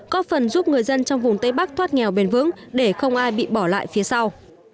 có phần giúp người dân trong vùng tây bắc thoát nghèo bền vững để không ai bị bỏ lại phía sau